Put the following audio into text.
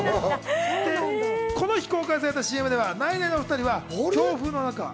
この日、公開されたＣＭではナイナイのお２人は強風の中。